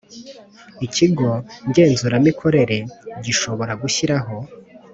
Ikigo ngenzuramikorere gishobora gushyiraho